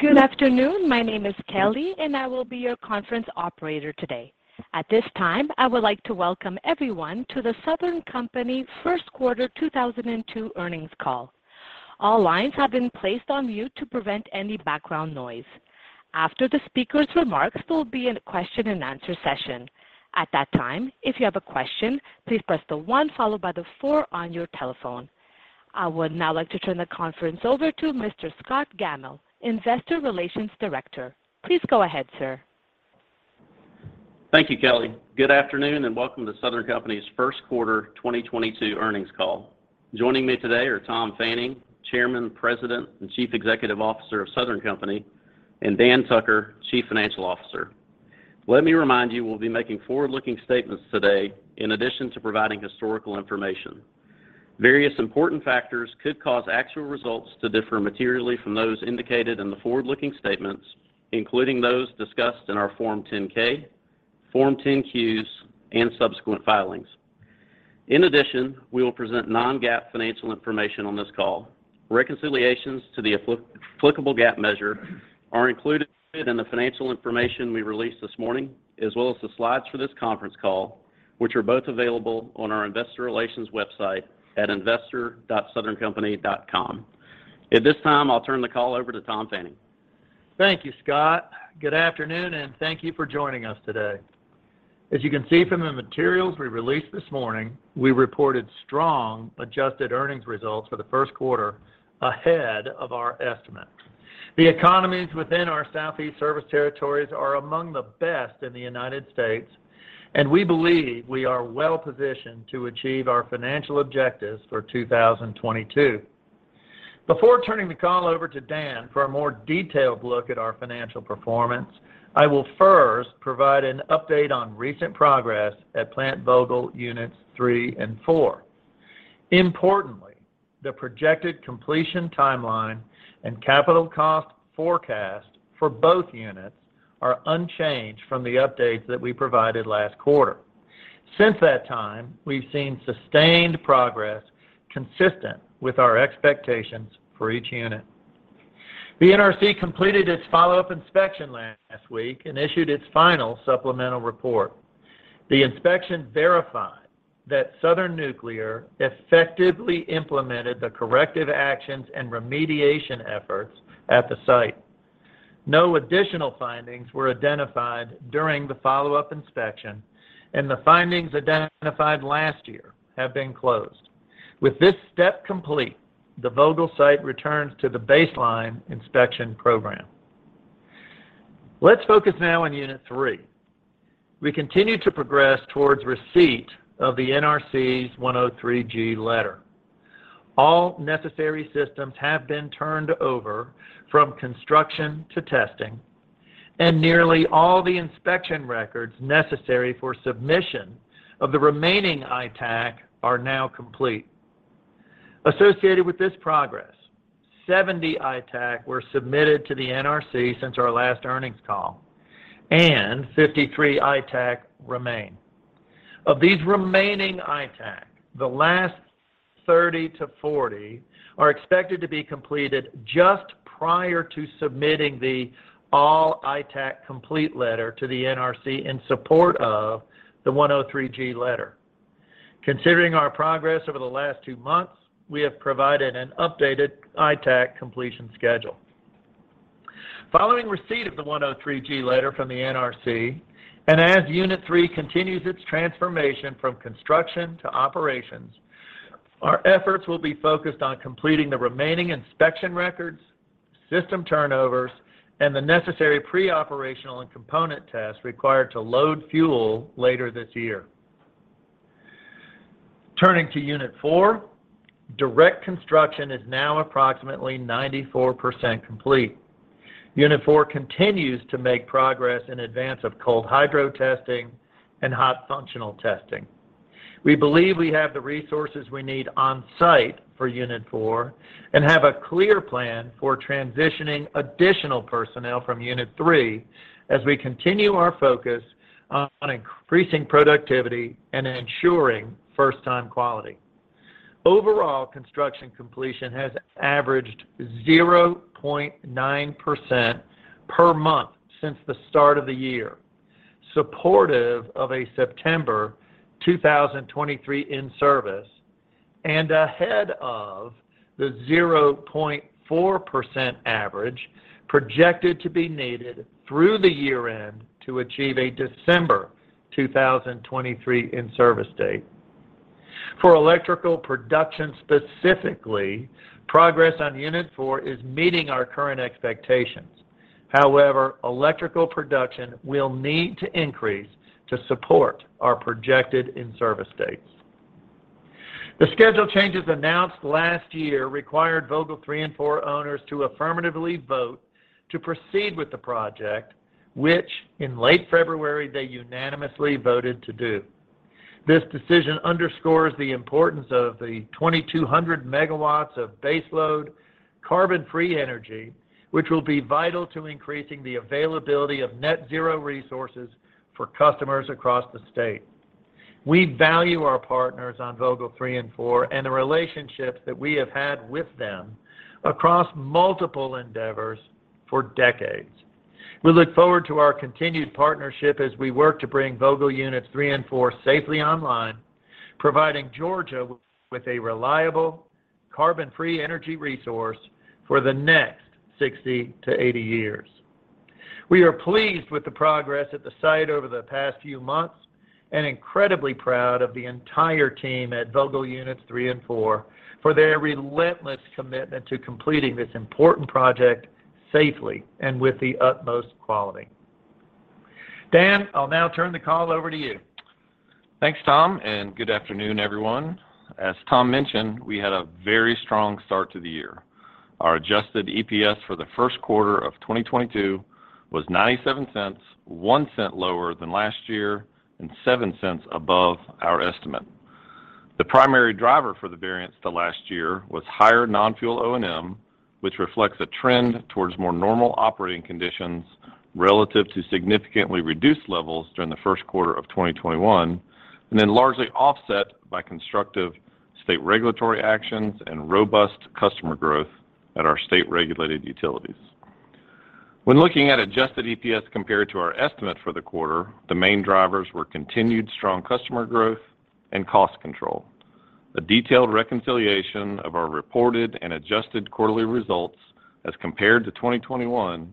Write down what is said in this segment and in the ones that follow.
Good afternoon. My name is Kelly and I will be your conference operator today. At this time, I would like to welcome everyone to the Southern Company first quarter 2022 earnings call. All lines have been placed on mute to prevent any background noise. After the speaker's remarks, there will be a question and answer session. At that time, if you have a question, please press the one followed by the four on your telephone. I would now like to turn the conference over to Mr. Scott Gammill, Investor Relations Director. Please go ahead, sir. Thank you, Kelly. Good afternoon, and welcome to Southern Company's first quarter 2022 earnings call. Joining me today are Tom Fanning, Chairman, President, and Chief Executive Officer of Southern Company, and Dan Tucker, Chief Financial Officer. Let me remind you, we'll be making forward-looking statements today in addition to providing historical information. Various important factors could cause actual results to differ materially from those indicated in the forward-looking statements, including those discussed in our Form 10-K, Form 10-Qs, and subsequent filings. In addition, we will present non-GAAP financial information on this call. Reconciliations to the applicable GAAP measure are included in the financial information we released this morning, as well as the slides for this conference call, which are both available on our investor relations website at investor.southerncompany.com. At this time, I'll turn the call over to Tom Fanning. Thank you, Scott. Good afternoon, and thank you for joining us today. As you can see from the materials we released this morning, we reported strong adjusted earnings results for the first quarter ahead of our estimate. The economies within our Southeast service territories are among the best in the United States, and we believe we are well-positioned to achieve our financial objectives for 2022. Before turning the call over to Dan for a more detailed look at our financial performance, I will first provide an update on recent progress at Plant Vogtle Units three and four. Importantly, the projected completion timeline and capital cost forecast for both units are unchanged from the updates that we provided last quarter. Since that time, we've seen sustained progress consistent with our expectations for each unit. The NRC completed its follow-up inspection last week and issued its final supplemental report. The inspection verified that Southern Nuclear effectively implemented the corrective actions and remediation efforts at the site. No additional findings were identified during the follow-up inspection, and the findings identified last year have been closed. With this step complete, the Vogtle site returns to the baseline inspection program. Let's focus now on Unit Three. We continue to progress towards receipt of the NRC's 103(g) letter. All necessary systems have been turned over from construction to testing, and nearly all the inspection records necessary for submission of the remaining ITAC are now complete. Associated with this progress, 70 ITAC were submitted to the NRC since our last earnings call, and 53 ITAC remain. Of these remaining ITAC, the last 30-40 are expected to be completed just prior to submitting the all ITAC complete letter to the NRC in support of the 103(g) letter. Considering our progress over the last two months, we have provided an updated ITAC completion schedule. Following receipt of the 103(g) letter from the NRC, and as Unit Three continues its transformation from construction to operations, our efforts will be focused on completing the remaining inspection records, system turnovers, and the necessary pre-operational and component tests required to load fuel later this year. Turning to Unit Four, direct construction is now approximately 94% complete. Unit Four continues to make progress in advance of cold hydro testing and hot functional testing. We believe we have the resources we need on-site for Unit Four and have a clear plan for transitioning additional personnel from Unit Three as we continue our focus on increasing productivity and ensuring first-time quality. Overall construction completion has averaged 0.9% per month since the start of the year, supportive of a September 2023 in-service and ahead of the 0.4% average projected to be needed through the year-end to achieve a December 2023 in-service date. For electrical production specifically, progress on Unit four is meeting our current expectations. However, electrical production will need to increase to support our projected in-service dates. The schedule changes announced last year required Vogtle three and four owners to affirmatively vote to proceed with the project, which in late February they unanimously voted to do. This decision underscores the importance of the 2,200 megawatts of base load carbon-free energy, which will be vital to increasing the availability of net zero resources for customers across the state. We value our partners on Vogtle three and four, and the relationships that we have had with them across multiple endeavors for decades. We look forward to our continued partnership as we work to bring Vogtle Units three and four safely online, providing Georgia with a reliable carbon-free energy resource for the next 60-80 years. We are pleased with the progress at the site over the past few months and incredibly proud of the entire team at Vogtle Units three and four for their relentless commitment to completing this important project safely and with the utmost quality. Dan, I'll now turn the call over to you. Thanks, Tom, and good afternoon, everyone. As Tom mentioned, we had a very strong start to the year. Our adjusted EPS for the first quarter of 2022 was $0.97, $0.01 lower than last year and $0.07 above our estimate. The primary driver for the variance to last year was higher non-fuel O&M, which reflects a trend towards more normal operating conditions relative to significantly reduced levels during the first quarter of 2021 and then largely offset by constructive state regulatory actions and robust customer growth at our state-regulated utilities. When looking at adjusted EPS compared to our estimate for the quarter, the main drivers were continued strong customer growth and cost control. A detailed reconciliation of our reported and adjusted quarterly results as compared to 2021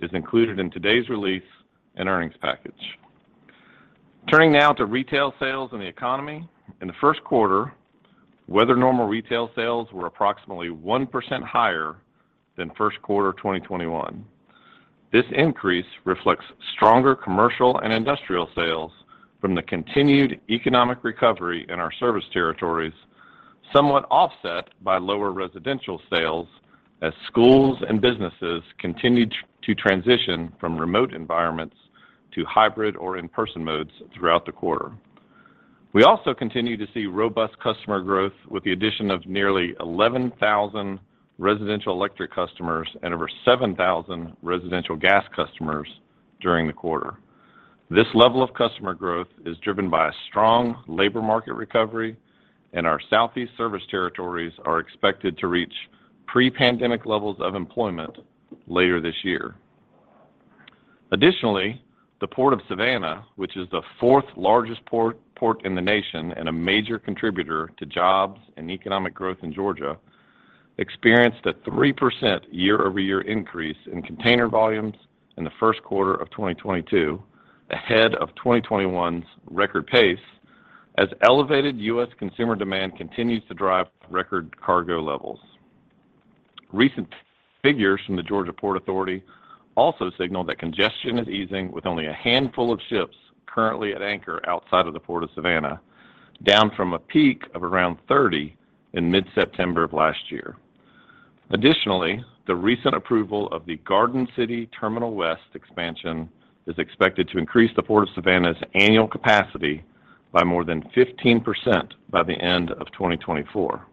is included in today's release and earnings package. Turning now to retail sales and the economy. In the first quarter, weather normal retail sales were approximately 1% higher than first quarter 2021. This increase reflects stronger commercial and industrial sales from the continued economic recovery in our service territories, somewhat offset by lower residential sales as schools and businesses continued to transition from remote environments to hybrid or in-person modes throughout the quarter. We also continue to see robust customer growth with the addition of nearly 11,000 residential electric customers and over 7,000 residential gas customers during the quarter. This level of customer growth is driven by a strong labor market recovery, and our Southeast service territories are expected to reach pre-pandemic levels of employment later this year. Additionally, the Port of Savannah, which is the fourth-largest port in the nation and a major contributor to jobs and economic growth in Georgia, experienced a 3% year-over-year increase in container volumes in the first quarter of 2022, ahead of 2021's record pace as elevated U.S. consumer demand continues to drive record cargo levels. Recent figures from the Georgia Ports Authority also signal that congestion is easing with only a handful of ships currently at anchor outside of the Port of Savannah, down from a peak of around 30 in mid-September of last year. Additionally, the recent approval of the Garden City Terminal West expansion is expected to increase the Port of Savannah's annual capacity by more than 15% by the end of 2024.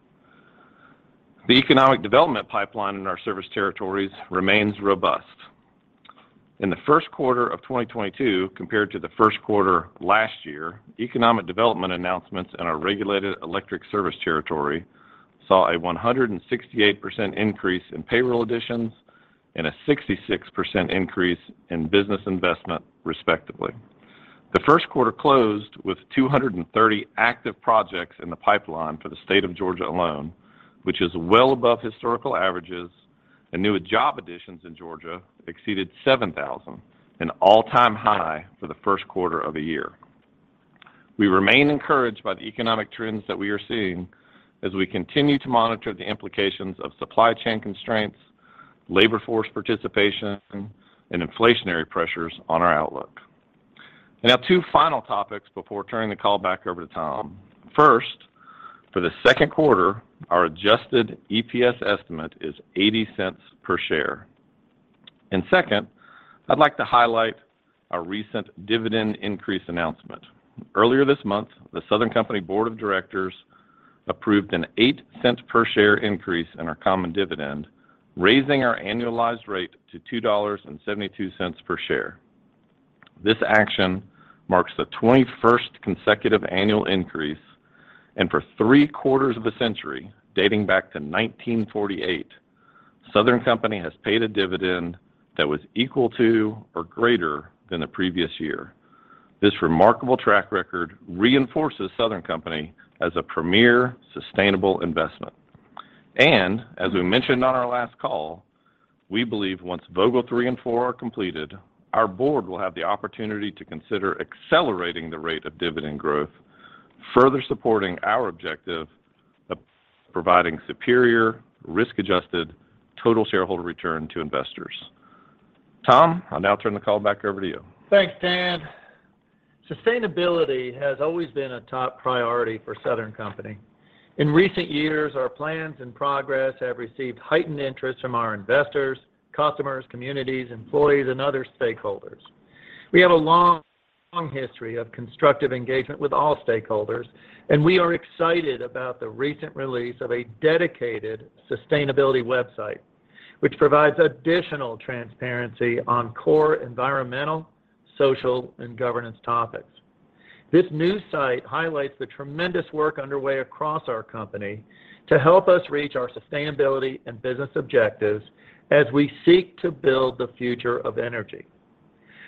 The economic development pipeline in our service territories remains robust. In the first quarter of 2022 compared to the first quarter last year, economic development announcements in our regulated electric service territory saw a 168% increase in payroll additions and a 66% increase in business investment, respectively. The first quarter closed with 230 active projects in the pipeline for the state of Georgia alone, which is well above historical averages, and new job additions in Georgia exceeded 7,000, an all-time high for the first quarter of the year. We remain encouraged by the economic trends that we are seeing as we continue to monitor the implications of supply chain constraints, labor force participation, and inflationary pressures on our outlook. Now two final topics before turning the call back over to Tom. First, for the second quarter, our adjusted EPS estimate is $0.80 per share. Second, I'd like to highlight our recent dividend increase announcement. Earlier this month, the Southern Company board of directors approved an $0.08 per share increase in our common dividend, raising our annualized rate to $2.72 per share. This action marks the 21st consecutive annual increase and for three-quarters of a century, dating back to 1948, Southern Company has paid a dividend that was equal to or greater than the previous year. This remarkable track record reinforces Southern Company as a premier sustainable investment. As we mentioned on our last call, we believe once Vogtle three and four are completed, our board will have the opportunity to consider accelerating the rate of dividend growth, further supporting our objective of providing superior risk-adjusted total shareholder return to investors. Tom, I'll now turn the call back over to you. Thanks, Dan. Sustainability has always been a top priority for Southern Company. In recent years, our plans and progress have received heightened interest from our investors, customers, communities, employees, and other stakeholders. We have a long, long history of constructive engagement with all stakeholders, and we are excited about the recent release of a dedicated sustainability website, which provides additional transparency on core environmental, social, and governance topics. This new site highlights the tremendous work underway across our company to help us reach our sustainability and business objectives as we seek to build the future of energy.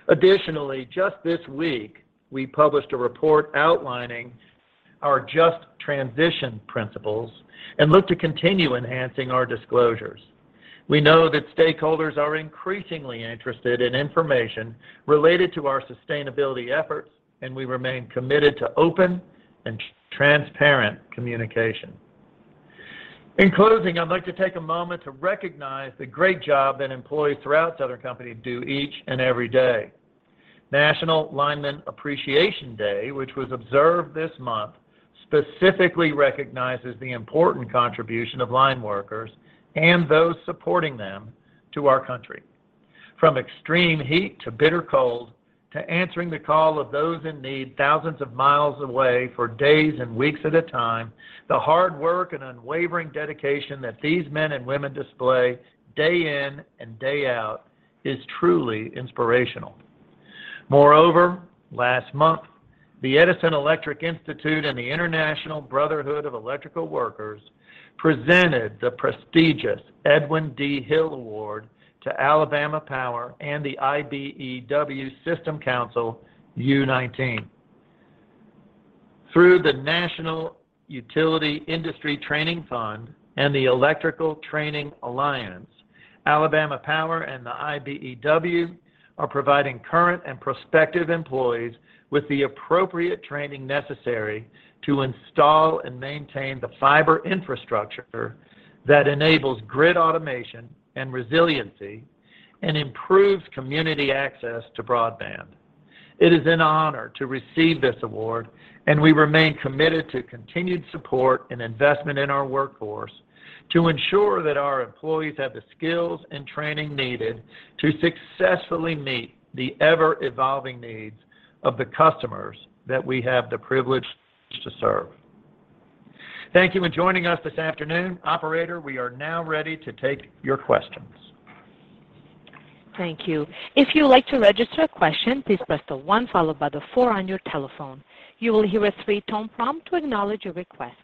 Additionally, just this week, we published a report outlining our just transition principles and look to continue enhancing our disclosures. We know that stakeholders are increasingly interested in information related to our sustainability efforts, and we remain committed to open and transparent communication. In closing, I'd like to take a moment to recognize the great job that employees throughout Southern Company do each and every day. National Lineman Appreciation Day, which was observed this month, specifically recognizes the important contribution of line workers and those supporting them to our country. From extreme heat to bitter cold, to answering the call of those in need thousands of miles away for days and weeks at a time, the hard work and unwavering dedication that these men and women display day in and day out is truly inspirational. Moreover, last month, the Edison Electric Institute and the International Brotherhood of Electrical Workers presented the prestigious Edwin D. Hill Award to Alabama Power and the IBEW System Council U-19. Through the National Utility Industry Training Fund and the Electrical Training Alliance, Alabama Power and the IBEW are providing current and prospective employees with the appropriate training necessary to install and maintain the fiber infrastructure that enables grid automation and resiliency and improves community access to broadband. It is an honor to receive this award, and we remain committed to continued support and investment in our workforce to ensure that our employees have the skills and training needed to successfully meet the ever-evolving needs of the customers that we have the privilege to serve. Thank you for joining us this afternoon. Operator, we are now ready to take your questions. Thank you. If you would like to register a question, please press the one followed by the four on your telephone. You will hear a three-tone prompt to acknowledge your request.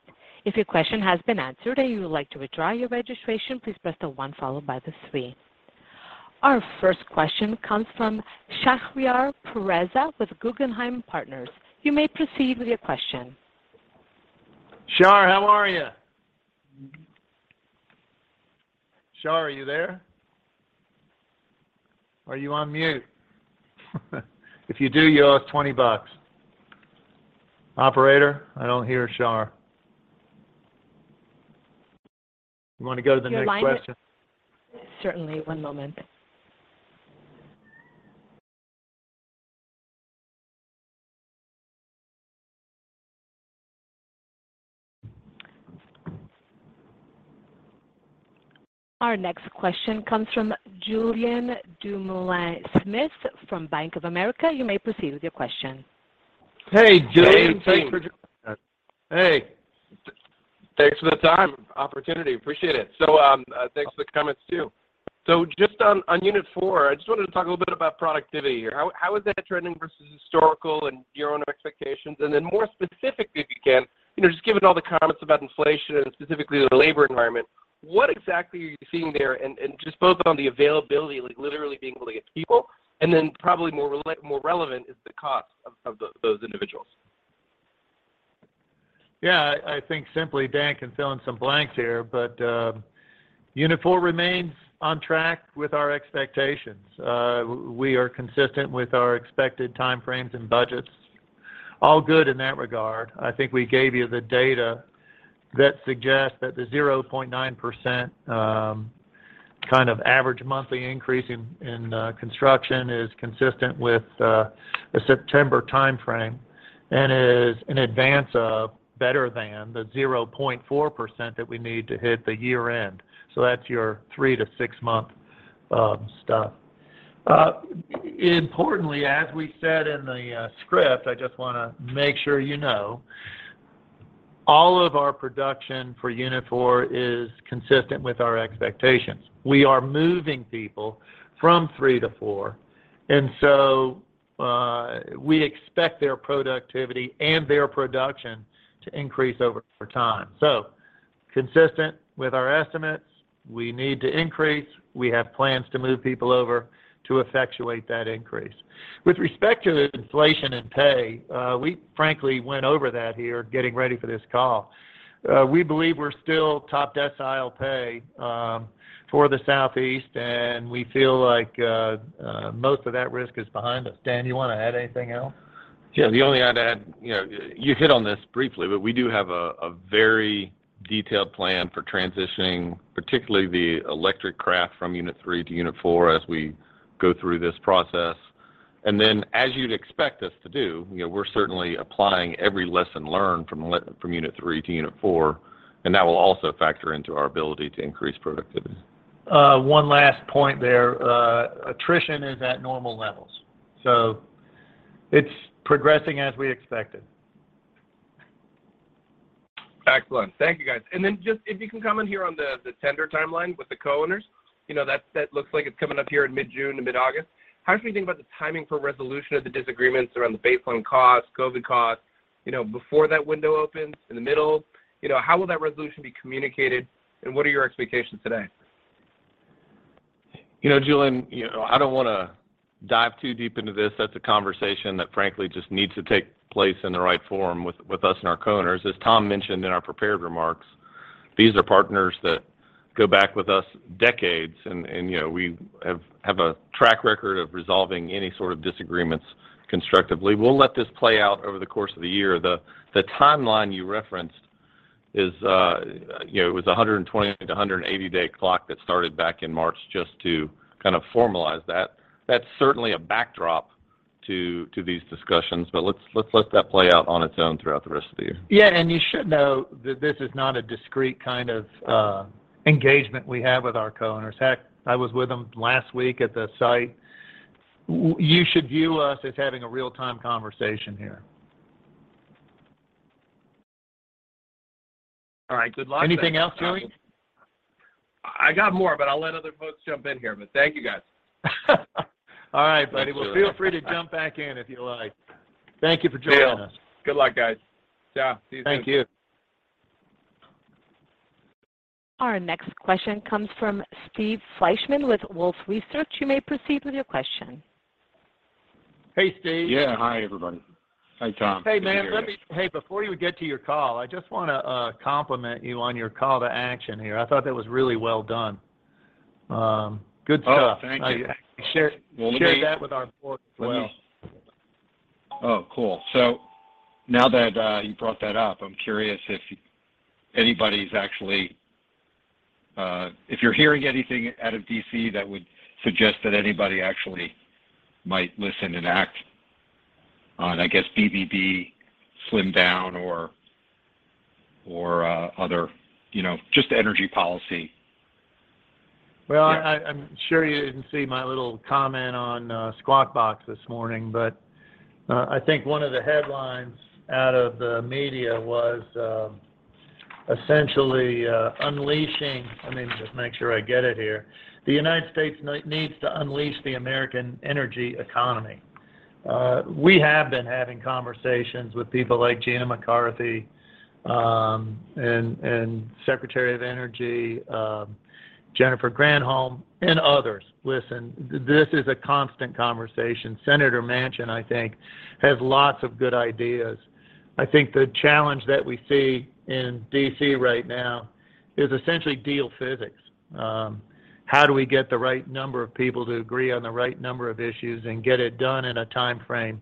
If your question has been answered and you would like to withdraw your registration, please press the one followed by the three. Our first question comes from Shahriar Pourreza with Guggenheim Securities. You may proceed with your question. Shah, how are you? Shah, are you there? Are you on mute? If you do, you owe us $20. Operator, I don't hear Shah. You wanna go to the next question? Certainly. One moment. Our next question comes from Julien Dumoulin-Smith from Bank of America. You may proceed with your question. Hey, Julien. Thanks for- Hey. Thanks for the time, opportunity. Appreciate it. Thanks for the comments too. Just on unit four, I just wanted to talk a little bit about productivity here. How is that trending versus historical and your own expectations? Then more specifically, if you can, you know, just given all the comments about inflation and specifically the labor environment, what exactly are you seeing there? Just both on the availability, like literally being able to get people, and then probably more relevant is the cost of those individuals. Yeah. I think simply Dan can fill in some blanks here, but unit four remains on track with our expectations. We are consistent with our expected time frames and budgets. All good in that regard. I think we gave you the data that suggests that the 0.9% kind of average monthly increase in construction is consistent with a September time frame and is in advance of better than the 0.4% that we need to hit the year-end. That's your three-to-six-month stuff. Importantly, as we said in the script, I just wanna make sure you know, all of our production for unit four is consistent with our expectations. We are moving people from three to four, and so we expect their productivity and their production to increase over time. Consistent with our estimates, we need to increase. We have plans to move people over to effectuate that increase. With respect to the inflation and pay, we frankly went over that here getting ready for this call. We believe we're still top decile pay for the Southeast, and we feel like most of that risk is behind us. Dan, you wanna add anything else? Yeah. The only thing I'd add, you know, you hit on this briefly, but we do have a very detailed plan for transitioning, particularly the electric craft from unit three to unit four as we go through this process. As you'd expect us to do, you know, we're certainly applying every lesson learned from unit three to unit four, and that will also factor into our ability to increase productivity. One last point there. Attrition is at normal levels. It's progressing as we expected. Excellent. Thank you, guys. Just if you can comment here on the tender timeline with the co-owners. You know, that looks like it's coming up here in mid-June to mid-August. How should we think about the timing for resolution of the disagreements around the baseline costs, COVID costs, you know, before that window opens, in the middle? You know, how will that resolution be communicated, and what are your expectations today? You know, Julien, you know, I don't wanna dive too deep into this. That's a conversation that frankly just needs to take place in the right forum with us and our co-owners. As Tom mentioned in our prepared remarks, these are partners that go back with us decades and you know, we have a track record of resolving any sort of disagreements constructively. We'll let this play out over the course of the year. The timeline you referenced is, you know, it was a 120-180 day clock that started back in March just to kind of formalize that. That's certainly a backdrop to these discussions, but let's let that play out on its own throughout the rest of the year. Yeah. You should know that this is not a discrete kind of engagement we have with our co-owners. Heck, I was with them last week at the site. You should view us as having a real-time conversation here. All right. Good luck. Anything else, Julien? I got more, but I'll let other folks jump in here. Thank you, guys. All right, buddy. Thanks, Julien. Well, feel free to jump back in if you like. Thank you for joining us. Deal. Good luck, guys. Ciao. See you soon. Thank you. Our next question comes from Steve Fleishman with Wolfe Research. You may proceed with your question. Hey, Steve. Yeah. Hi, everybody. Hi, Tom. Good to hear you. Hey, man. Before you get to your call, I just wanna compliment you on your call to action here. I thought that was really well done. Good stuff. Oh, thank you. I share that with our board as well. Now that you brought that up, I'm curious if you're hearing anything out of DC that would suggest that anybody actually might listen and act on, I guess, BBB slim down or other, you know, just energy policy. Yeah. Well, I'm sure you didn't see my little comment on Squawk Box this morning, but I think one of the headlines out of the media was essentially unleashing. Let me just make sure I get it here. The United States needs to unleash the American energy economy. We have been having conversations with people like Gina McCarthy and Secretary of Energy Jennifer Granholm and others. Listen, this is a constant conversation. Senator Manchin, I think, has lots of good ideas. I think the challenge that we see in D.C. right now is essentially deal physics. How do we get the right number of people to agree on the right number of issues and get it done in a timeframe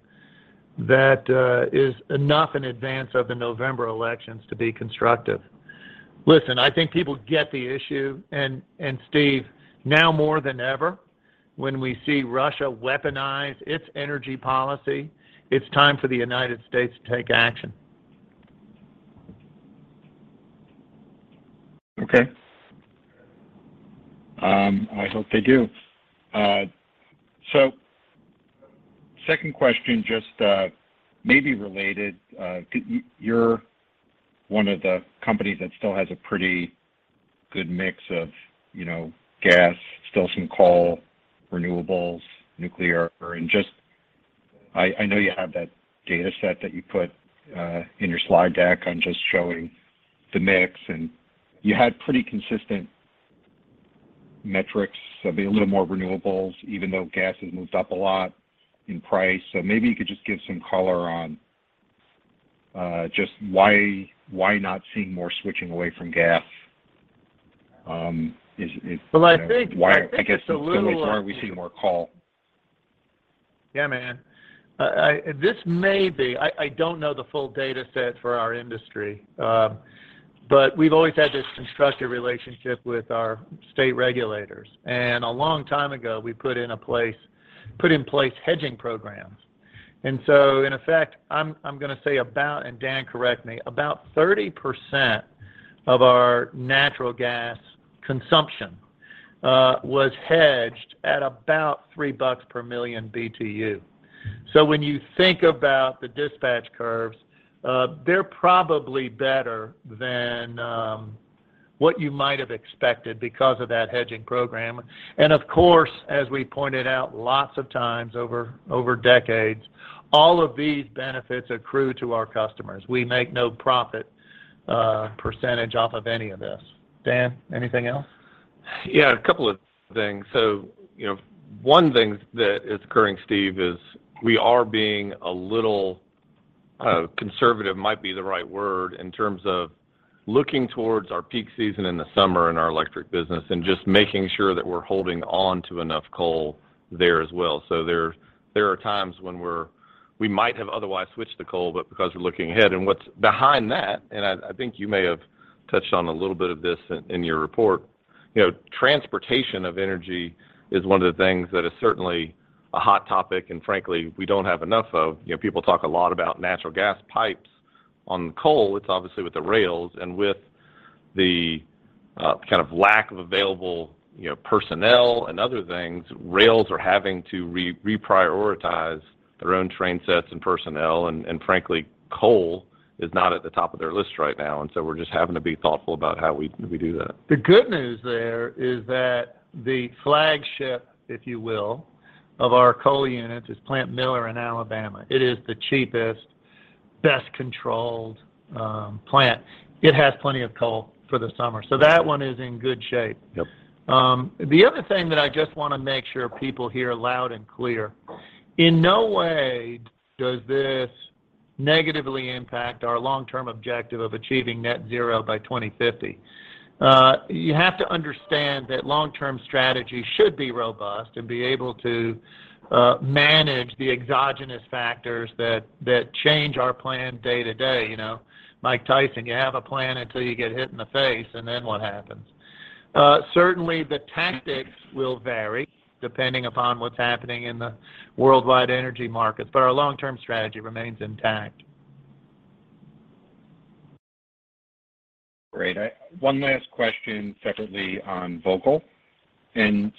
that is enough in advance of the November elections to be constructive? Listen, I think people get the issue and Steve, now more than ever, when we see Russia weaponize its energy policy, it's time for the United States to take action. Okay. I hope they do. Second question, just maybe related, you're one of the companies that still has a pretty good mix of, you know, gas, still some coal, renewables, nuclear, and just I know you have that data set that you put in your slide deck on just showing the mix, and you had pretty consistent metrics of a little more renewables, even though gas has moved up a lot in price. Maybe you could just give some color on just why not seeing more switching away from gas, you know- Well, I think it's a little. Why I guess the same reason why we see more coal. Yeah, man. This may be. I don't know the full data set for our industry, but we've always had this constructive relationship with our state regulators. A long time ago we put in place hedging programs. In effect, I'm gonna say about, and Dan, correct me, about 30% of our natural gas consumption was hedged at about $3 per million BTU. When you think about the dispatch curves, they're probably better than what you might have expected because of that hedging program. Of course, as we pointed out lots of times over decades, all of these benefits accrue to our customers. We make no profit percentage off of any of this. Dan, anything else? Yeah, a couple of things. You know, one thing that is occurring, Steve, is we are being a little conservative might be the right word, in terms of looking towards our peak season in the summer in our electric business and just making sure that we're holding on to enough coal there as well. There are times when we might have otherwise switched to coal, but because we're looking ahead. What's behind that, I think you may have touched on a little bit of this in your report, you know, transportation of energy is one of the things that is certainly a hot topic and frankly, we don't have enough of. You know, people talk a lot about natural gas pipes. On coal, it's obviously with the rails and with the kind of lack of available, you know, personnel and other things. Rails are having to reprioritize their own train sets and personnel, and frankly, coal is not at the top of their list right now. We're just having to be thoughtful about how we do that. The good news there is that the flagship, if you will, of our coal units is Plant Miller in Alabama. It is the cheapest, best-controlled, plant. It has plenty of coal for the summer. That one is in good shape. Yep. The other thing that I just wanna make sure people hear loud and clear, in no way does this negatively impact our long-term objective of achieving net zero by 2050. You have to understand that long-term strategy should be robust and be able to manage the exogenous factors that change our plan day to day. You know, Mike Tyson, "You have a plan until you get hit in the face, and then what happens?" Certainly the tactics will vary depending upon what's happening in the worldwide energy markets, but our long-term strategy remains intact. Great. One last question separately on Vogtle. When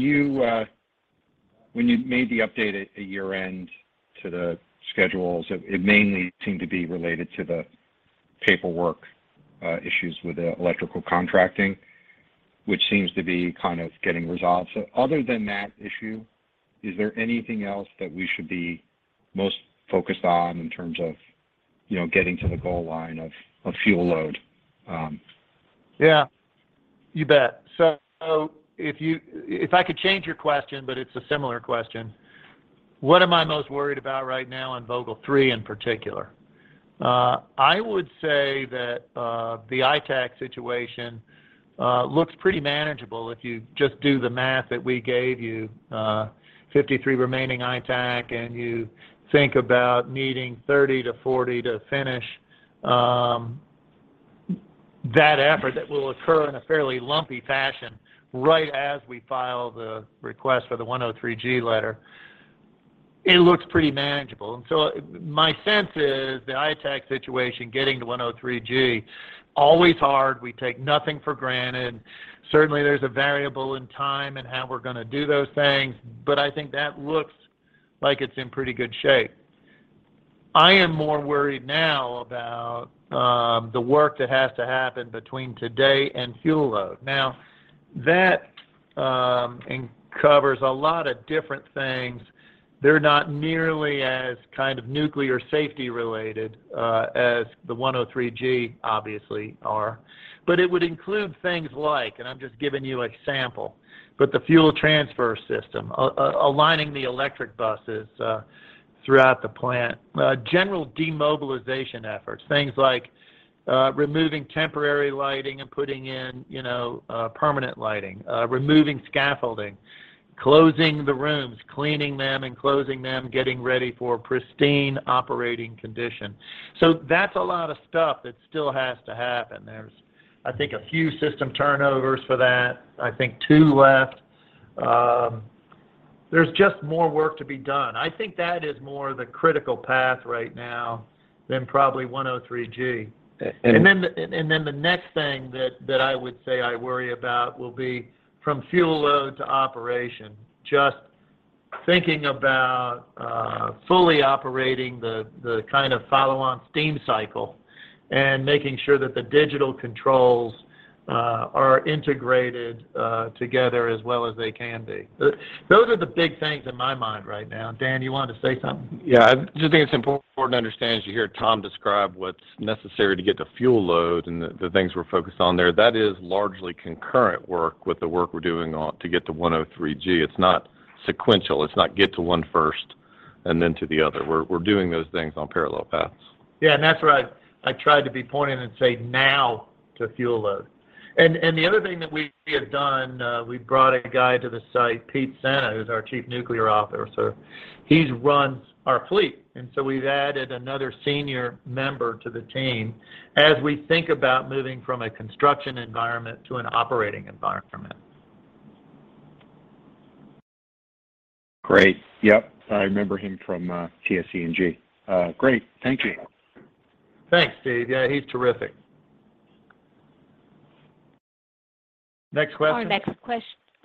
you made the update at year-end to the schedules, it mainly seemed to be related to the paperwork issues with the electrical contracting, which seems to be kind of getting resolved. Other than that issue, is there anything else that we should be most focused on in terms of, you know, getting to the goal line of fuel load? Yeah. You bet. If I could change your question, but it's a similar question, what am I most worried about right now in Vogtle three in particular? I would say that the ITAC situation looks pretty manageable if you just do the math that we gave you. 53 remaining ITAC, and you think about needing 30-40 to finish that effort that will occur in a fairly lumpy fashion right as we file the request for the 103(g) letter. It looks pretty manageable. My sense is the ITAC situation, getting to 103(g), always hard. We take nothing for granted. Certainly, there's a variable in time and how we're gonna do those things, but I think that looks like it's in pretty good shape. I am more worried now about the work that has to happen between today and fuel load. Now, that covers a lot of different things. They're not nearly as kind of nuclear safety related as the 10 CFR 52.103(g) obviously are. It would include things like, and I'm just giving you a sample, but the fuel transfer system, aligning the electric buses throughout the plant, general demobilization efforts, things like removing temporary lighting and putting in, you know, permanent lighting, removing scaffolding, closing the rooms, cleaning them, and closing them, getting ready for pristine operating condition. That's a lot of stuff that still has to happen. There's, I think, a few system turnovers for that, I think two left. There's just more work to be done. I think that is more the critical path right now than probably 103(g). A-and- The next thing that I would say I worry about will be from fuel load to operation, just thinking about fully operating the kind of follow-on steam cycle and making sure that the digital controls are integrated together as well as they can be. Those are the big things in my mind right now. Dan, you wanted to say something? Yeah. I just think it's important to understand, as you hear Tom describe what's necessary to get to fuel load and the things we're focused on there. That is largely concurrent work with the work we're doing on to get to 103(g). It's not sequential. It's not get to one first and then to the other. We're doing those things on parallel paths. Yeah. That's why I tried to be pointed and say no to fuel load. The other thing that we have done, we brought a guy to the site, Pete Sena, who's our Chief Nuclear Officer. He runs our fleet. We've added another senior member to the team as we think about moving from a construction environment to an operating environment. Great. Yep. I remember him from PSE&G. Great. Thank you. Thanks, Steve. Yeah, he's terrific. Next question.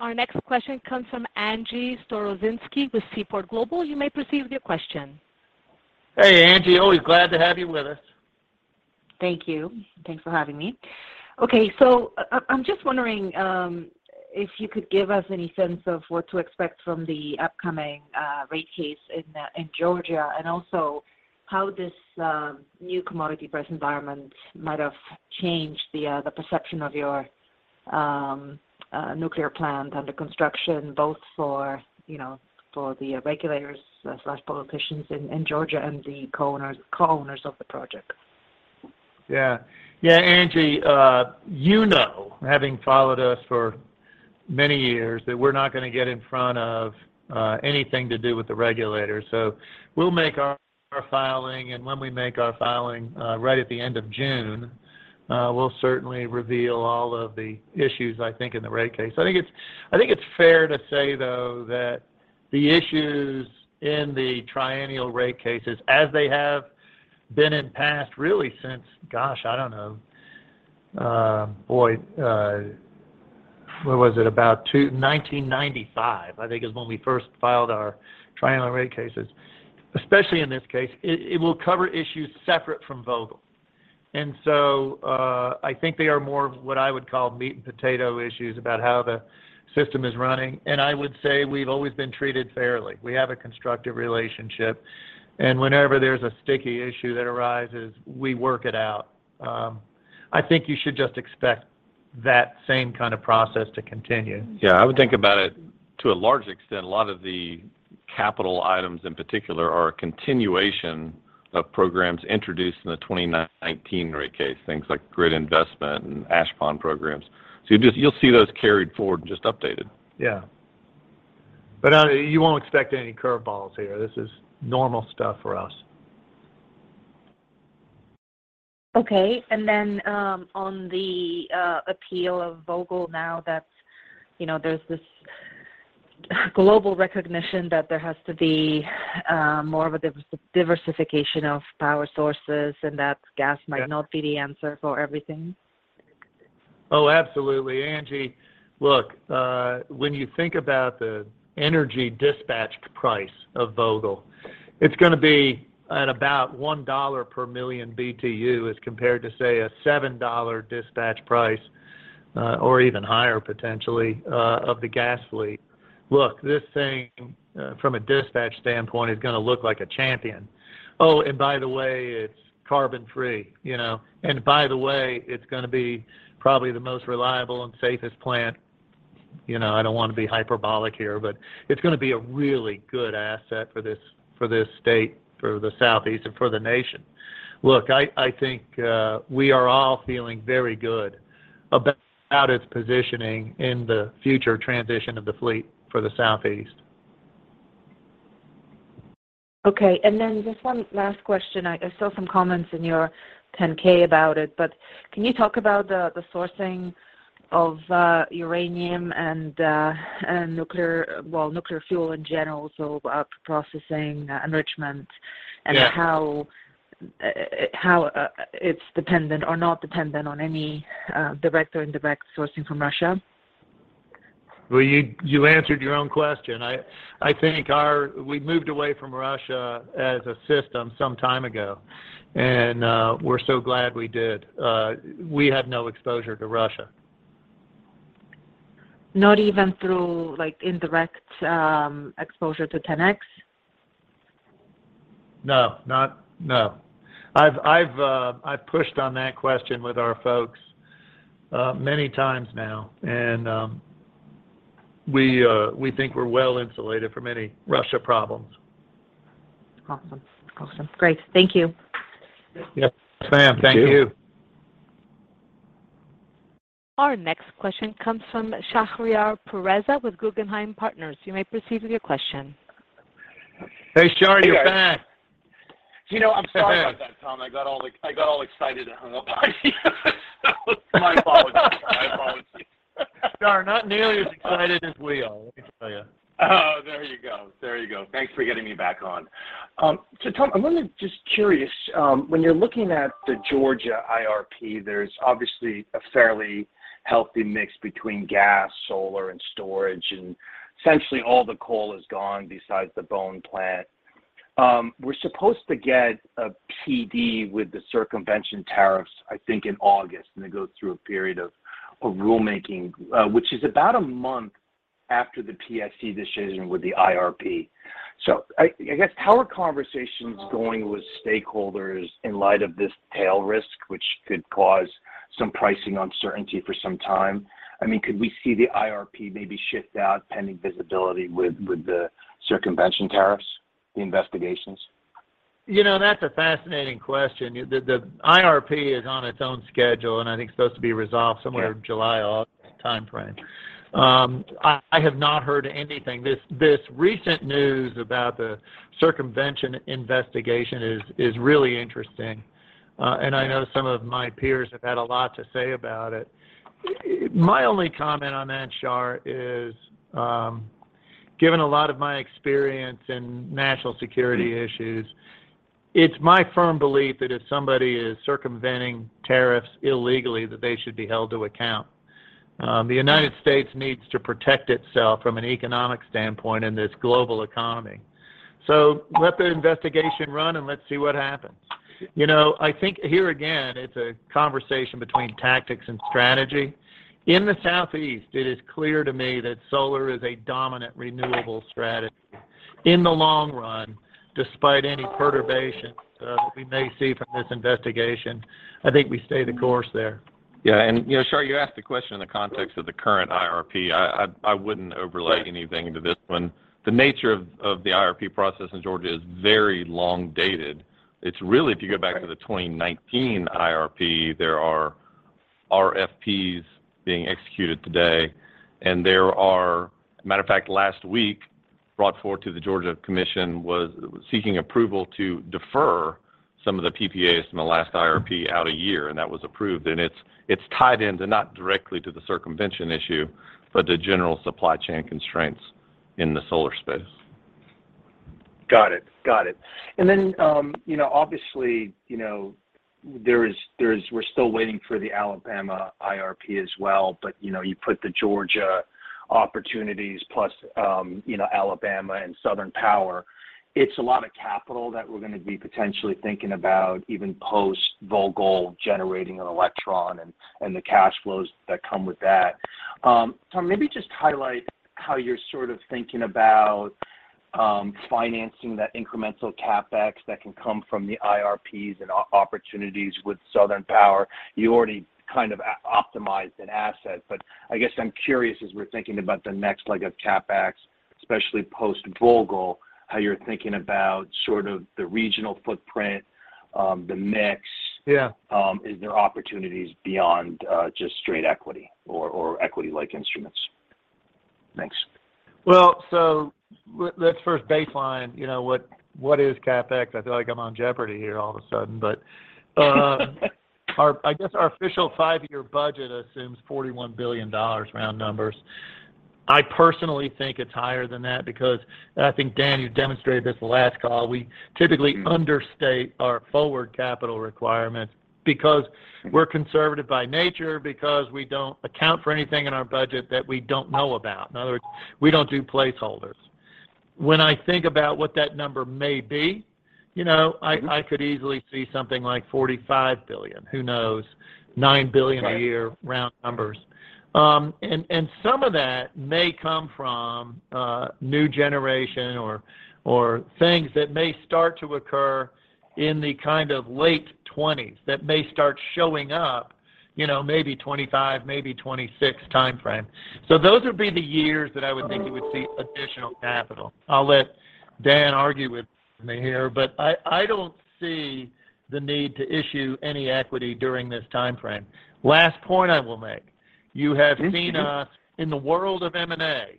Our next question comes from Angie Storozynski with Seaport Global. You may proceed with your question. Hey, Angie. Always glad to have you with us. Thank you. Thanks for having me. Okay, I'm just wondering if you could give us any sense of what to expect from the upcoming rate case in Georgia, and also how this new commodity price environment might have changed the perception of your nuclear plant under construction, both for, you know, for the regulators, politicians in Georgia and the co-owners of the project. Yeah. Yeah, Angie, you know, having followed us for many years, that we're not gonna get in front of anything to do with the regulators. We'll make our filing, and when we make our filing, right at the end of June, we'll certainly reveal all of the issues, I think, in the rate case. I think it's fair to say, though, that the issues in the triennial rate cases as they have been in past really since, gosh, I don't know, boy, what was it? About 1995, I think is when we first filed our triennial rate cases, especially in this case, it will cover issues separate from Vogtle. I think they are more of what I would call meat and potato issues about how the system is running. I would say we've always been treated fairly. We have a constructive relationship, and whenever there's a sticky issue that arises, we work it out. I think you should just expect that same kind of process to continue. Yeah. I would think about it to a large extent, a lot of the capital items in particular are a continuation of programs introduced in the 2019 rate case, things like grid investment and ash pond programs. You'll see those carried forward and just updated. Yeah. You won't expect any curve balls here. This is normal stuff for us. On the appeal of Vogtle now that, you know, there's this global recognition that there has to be more of a diversification of power sources and that gas might not be the answer for everything. Oh, absolutely. Angie, look, when you think about the energy dispatched price of Vogtle, it's gonna be at about $1 per million BTU as compared to, say, a $7 dispatch price, or even higher potentially, of the gas fleet. Look, this thing, from a dispatch standpoint, is gonna look like a champion. Oh, and by the way, it's carbon free, you know. And by the way, it's gonna be probably the most reliable and safest plant. You know, I don't wanna be hyperbolic here, but it's gonna be a really good asset for this, for this state, for the Southeast, and for the nation. Look, I think, we are all feeling very good about its positioning in the future transition of the fleet for the Southeast. Okay. Just one last question. I saw some comments in your 10-K about it, but can you talk about the sourcing of uranium and nuclear fuel in general, so processing, enrichment. Yeah. How it's dependent or not dependent on any direct or indirect sourcing from Russia? Well, you answered your own question. I think we moved away from Russia as a system some time ago, and we're so glad we did. We have no exposure to Russia. Not even through, like, indirect exposure to TENEX? No. I've pushed on that question with our folks many times now. We think we're well insulated from any Russia problems. Awesome. Great. Thank you. Yep. Sam, thank you. Thank you. Our next question comes from Shahriar Pourreza with Guggenheim Partners. You may proceed with your question. Hey, Shahriar, you're back. You know, I'm sorry about that, Tom. I got all excited and hung up on you. My apologies. My apologies. Shahriar, not nearly as excited as we are, let me tell you. Oh, there you go. There you go. Thanks for getting me back on. So Tom, I'm wondering, just curious, when you're looking at the Georgia IRP, there's obviously a fairly healthy mix between gas, solar, and storage, and essentially all the coal is gone besides the Bowen plant. We're supposed to get a PD with the circumvention tariffs, I think, in August, and it goes through a period of rulemaking, which is about a month after the PSC decision with the IRP. I guess, how are conversations going with stakeholders in light of this tail risk, which could cause some pricing uncertainty for some time? I mean, could we see the IRP maybe shift out pending visibility with the circumvention tariffs investigations? You know, that's a fascinating question. The IRP is on its own schedule, and I think it's supposed to be resolved somewhere. Yeah. July, August timeframe. I have not heard anything. This recent news about the circumvention investigation is really interesting, and I know some of my peers have had a lot to say about it. My only comment on that, Shahriar, is, given a lot of my experience in national security issues, it's my firm belief that if somebody is circumventing tariffs illegally that they should be held to account. The United States needs to protect itself from an economic standpoint in this global economy. Let the investigation run, and let's see what happens. You know, I think here again, it's a conversation between tactics and strategy. In the Southeast, it is clear to me that solar is a dominant renewable strategy. In the long run, despite any perturbations that we may see from this investigation, I think we stay the course there. Yeah. You know, Shahriar, you asked the question in the context of the current IRP. I wouldn't overlay anything to this one. The nature of the IRP process in Georgia is very long dated. It's really, if you go back to the 2019 IRP, there are RFPs being executed today, and there are. Matter of fact, last week, brought forward to the Georgia Commission was seeking approval to defer some of the PPAs from the last IRP out a year, and that was approved. It's tied into not directly to the circumvention issue, but to general supply chain constraints in the solar space. Got it. You know, obviously, you know, there is we're still waiting for the Alabama IRP as well. You know, you put the Georgia opportunities plus, you know, Alabama and Southern Power, it's a lot of capital that we're going to be potentially thinking about even post-Vogtle generating an electron and the cash flows that come with that. Tom, maybe just highlight how you're sort of thinking about financing that incremental CapEx that can come from the IRPs and opportunities with Southern Power. You already kind of optimized in assets, but I guess I'm curious, as we're thinking about the next leg of CapEx, especially post-Vogtle, how you're thinking about sort of the regional footprint, the mix. Yeah. Is there opportunities beyond just straight equity or equity-like instruments? Thanks. Well, let's first baseline, you know, what is CapEx? I feel like I'm on Jeopardy here all of a sudden. Our official five-year budget assumes $41 billion round numbers. I personally think it's higher than that because I think, Dan, you've demonstrated this the last call, we typically understate our forward capital requirements because we're conservative by nature, because we don't account for anything in our budget that we don't know about. In other words, we don't do placeholders. When I think about what that number may be, you know, I could easily see something like $45 billion, who knows, $9 billion a year. Right. Round numbers. Some of that may come from new generation or things that may start to occur in the kind of late twenties, that may start showing up, you know, maybe 25, maybe 26 timeframe. Those would be the years that I would think you would see additional capital. I'll let Dan argue with me here, but I don't see the need to issue any equity during this timeframe. Last point I will make. You have seen us In the world of M&A,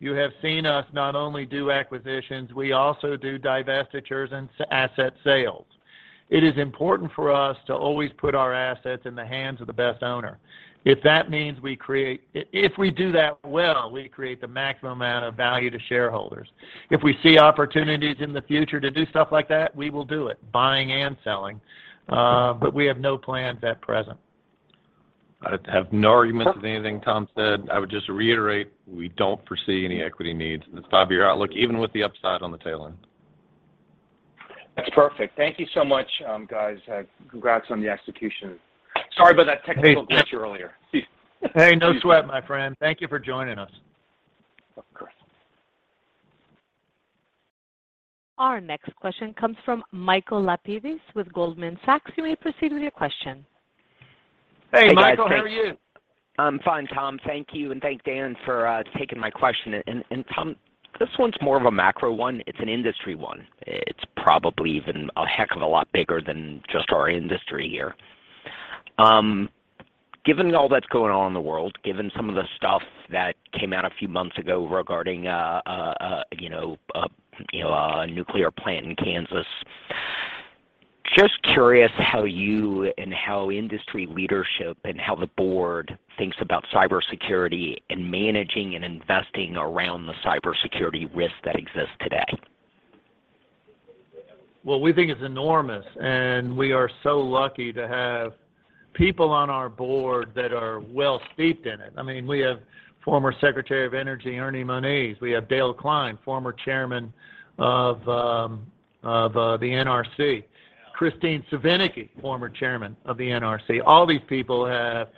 you have seen us not only do acquisitions, we also do divestitures and asset sales. It is important for us to always put our assets in the hands of the best owner. If we do that well, we create the maximum amount of value to shareholders. If we see opportunities in the future to do stuff like that, we will do it, buying and selling. We have no plans at present. I have no arguments with anything Tom said. I would just reiterate, we don't foresee any equity needs in this five-year outlook, even with the upside on the tail end. That's perfect. Thank you so much, guys. Congrats on the execution. Sorry about that technical glitch earlier. Hey, no sweat, my friend. Thank you for joining us. Of course. Our next question comes from Michael Lapides with Goldman Sachs. You may proceed with your question. Hey, Michael. How are you? I'm fine, Tom. Thank you. Thanks, Dan, for taking my question. Tom, this one's more of a macro one. It's an industry one. It's probably even a heck of a lot bigger than just our industry here. Given all that's going on in the world, given some of the stuff that came out a few months ago regarding you know, you know, a nuclear plant in Kansas, just curious how you and how industry leadership and how the board thinks about cybersecurity and managing and investing around the cybersecurity risk that exists today. Well, we think it's enormous, and we are so lucky to have people on our board that are well steeped in it. I mean, we have former Secretary of Energy, Ernest Moniz. We have Dale Klein, former Chairman of the NRC. Kristine Svinicki, former Chairman of the NRC. All these people have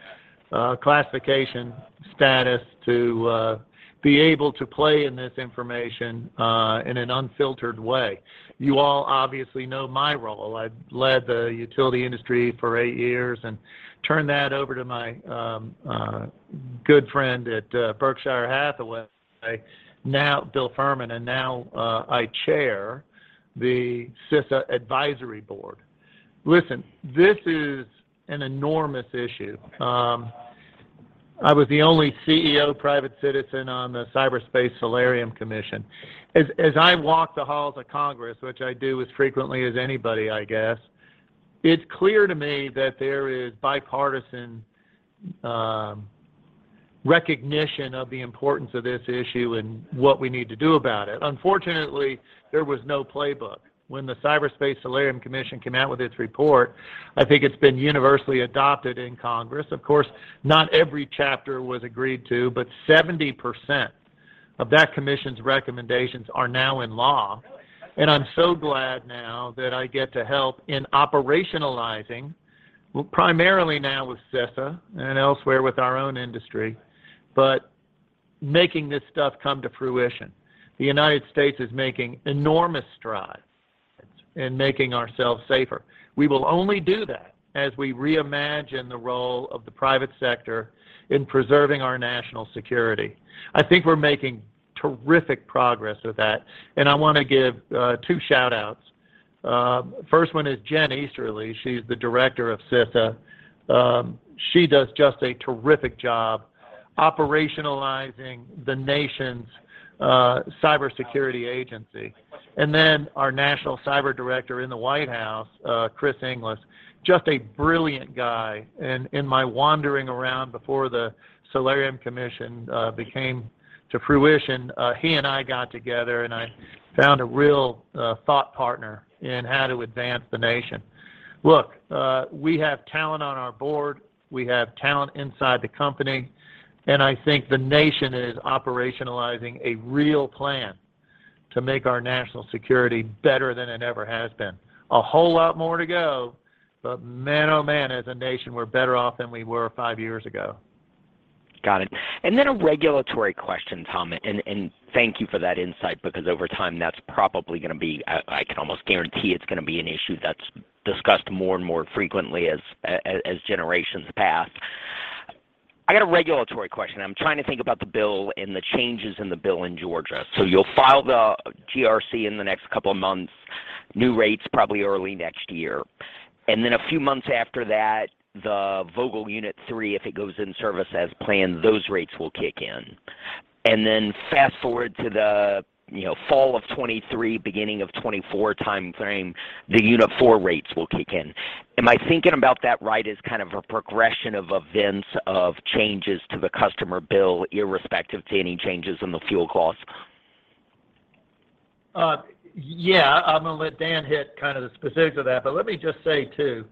classification status to be able to play in this information in an unfiltered way. You all obviously know my role. I led the utility industry for eight years and turned that over to my good friend at Berkshire Hathaway now, Bill Fehrman, and now, I chair the CISA advisory board. Listen, this is an enormous issue. I was the only CEO private citizen on the Cyberspace Solarium Commission. As I walk the halls of Congress, which I do as frequently as anybody, I guess, it's clear to me that there is bipartisan recognition of the importance of this issue and what we need to do about it. Unfortunately, there was no playbook. When the Cyberspace Solarium Commission came out with its report, I think it's been universally adopted in Congress. Of course, not every chapter was agreed to, but 70% of that commission's recommendations are now in law. I'm so glad now that I get to help in operationalizing, well, primarily now with CISA and elsewhere with our own industry, but making this stuff come to fruition. The United States is making enormous strides in making ourselves safer. We will only do that as we reimagine the role of the private sector in preserving our national security. I think we're making terrific progress with that, and I want to give two shout-outs. First one is Jen Easterly. She's the Director of CISA. She does just a terrific job operationalizing the nation's cybersecurity agency. Then our National Cyber Director in the White House, Chris Inglis, just a brilliant guy. In my wandering around before the Cyberspace Solarium Commission came to fruition, he and I got together and I found a real thought partner in how to advance the nation. Look, we have talent on our board, we have talent inside the company, and I think the nation is operationalizing a real plan to make our national security better than it ever has been. A whole lot more to go, but man, oh man, as a nation, we're better off than we were five years ago. Got it. Then a regulatory question, Tom. Thank you for that insight because over time that's probably gonna be. I can almost guarantee it's gonna be an issue that's discussed more and more frequently as generations pass. I got a regulatory question. I'm trying to think about the bill and the changes in the bill in Georgia. You'll file the GRC in the next couple of months, new rates probably early next year. Then a few months after that, the Vogtle Unit Three, if it goes in service as planned, those rates will kick in. Fast-forward to the, you know, fall of 2023, beginning of 2024 timeframe, the unit four rates will kick in. Am I thinking about that right as kind of a progression of events, of changes to the customer bill, irrespective to any changes in the fuel costs? Yeah. I'm gonna let Dan hit kind of the specifics of that. Let me just say, too,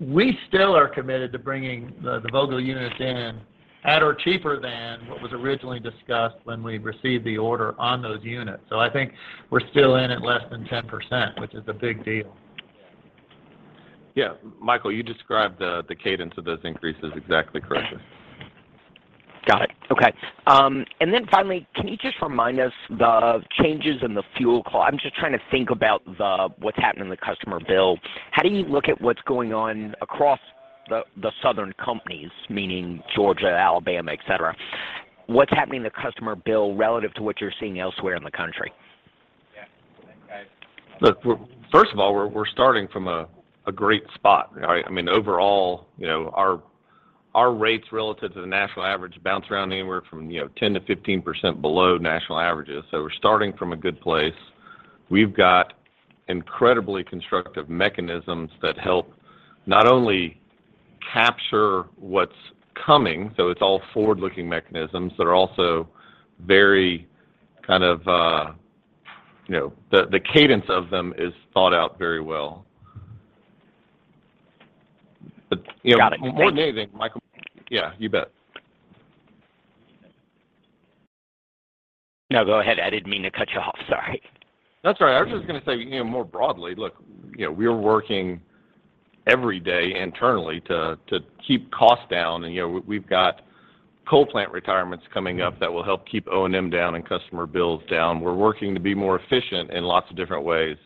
we still are committed to bringing the Vogtle units in at or cheaper than what was originally discussed when we received the order on those units. I think we're still in at less than 10%, which is a big deal. Yeah. Michael, you described the cadence of those increases exactly correct. Got it. Okay. Finally, can you just remind us the changes in the fuel cost? I'm just trying to think about what's happening in the customer bill. How do you look at what's going on across the Southern companies, meaning Georgia, Alabama, et cetera? What's happening to customer bill relative to what you're seeing elsewhere in the country? Yeah. Look, first of all, we're starting from a great spot, right? I mean, overall, you know, our rates relative to the national average bounce around anywhere from, you know, 10%-15% below national averages. We're starting from a good place. We've got incredibly constructive mechanisms that help not only capture what's coming, so it's all forward-looking mechanisms that are also very kind of, you know. The cadence of them is thought out very well. You know- Got it. Thanks. More than anything, Michael. Yeah, you bet. No, go ahead. I didn't mean to cut you off, sorry. That's all right. I was just gonna say, you know, more broadly. Look, you know, we're working every day internally to keep costs down. You know, we've got coal plant retirements coming up that will help keep O&M down and customer bills down. We're working to be more efficient in lots of different ways,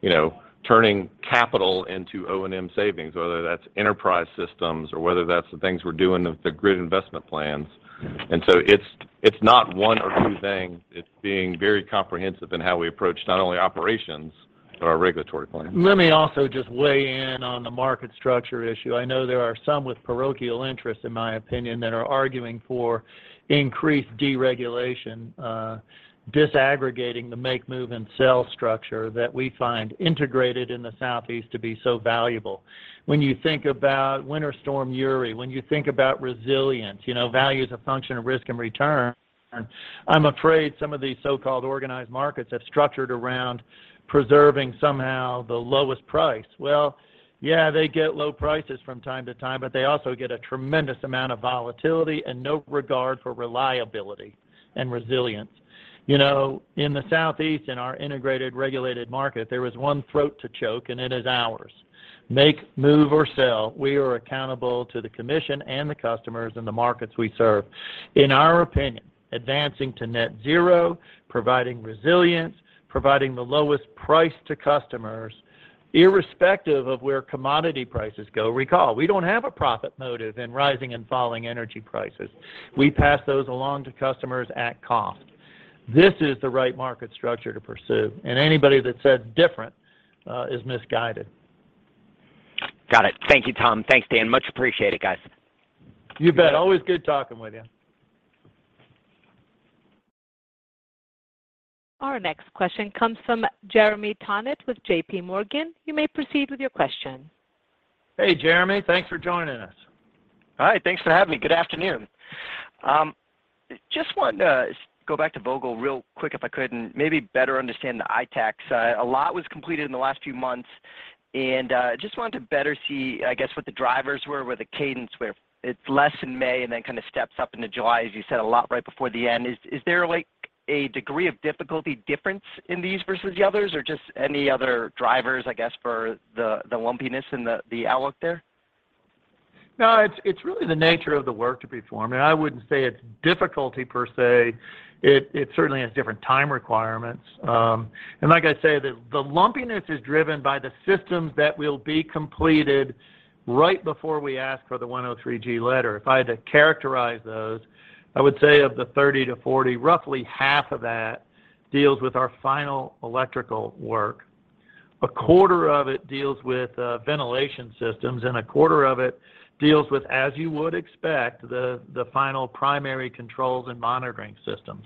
you know, turning capital into O&M savings, whether that's enterprise systems or whether that's the things we're doing with the grid investment plans. It's not one or two things, it's being very comprehensive in how we approach not only operations, but our regulatory plans. Let me also just weigh in on the market structure issue. I know there are some with parochial interests, in my opinion, that are arguing for increased deregulation, disaggregating the make, move, and sell structure that we find integrated in the Southeast to be so valuable. When you think about Winter Storm Uri, when you think about resilience, you know, value is a function of risk and return. I'm afraid some of these so-called organized markets have structured around preserving somehow the lowest price. Well, yeah, they get low prices from time to time, but they also get a tremendous amount of volatility and no regard for reliability and resilience. You know, in the Southeast, in our integrated regulated market, there is one throat to choke, and it is ours. Make, move, or sell, we are accountable to the commission and the customers in the markets we serve. In our opinion, advancing to net zero, providing resilience, providing the lowest price to customers, irrespective of where commodity prices go. Recall, we don't have a profit motive in rising and falling energy prices. We pass those along to customers at cost. This is the right market structure to pursue, and anybody that says different is misguided. Got it. Thank you, Tom. Thanks, Dan. Much appreciated, guys. You bet. Always good talking with you. Our next question comes from Jeremy Tonet with JPMorgan. You may proceed with your question. Hey, Jeremy. Thanks for joining us. Hi. Thanks for having me. Good afternoon. Just wanted to go back to Vogtle real quick if I could, and maybe better understand the ITACs. A lot was completed in the last few months, and just wanted to better see, I guess, what the drivers were, where the cadence were. It's less in May and then kinda steps up into July, as you said, a lot right before the end. Is there, like, a degree of difficulty difference in these versus the others? Or just any other drivers, I guess, for the lumpiness in the outlook there? No, it's really the nature of the work to be performed. I wouldn't say it's difficulty per se. It certainly has different time requirements. Like I say, the lumpiness is driven by the systems that will be completed right before we ask for the 103(g) letter. If I had to characterize those, I would say of the 30-40, roughly half of that deals with our final electrical work. A quarter of it deals with ventilation systems, and a quarter of it deals with, as you would expect, the final primary controls and monitoring systems.